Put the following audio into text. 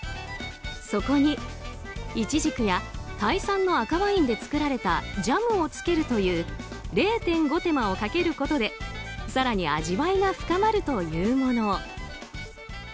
そこにイチジクやタイ産の赤ワインで作られたジャムを付けるという０．５手間をかけることで更に味わいが深まるというもの。